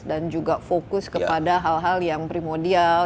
dan juga fokus kepada hal hal yang primodial